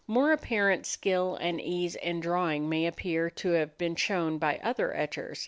More apparent skill and ease in drawing may appear to have been shown by other etchers.